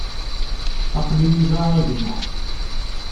Aql-i da a gma.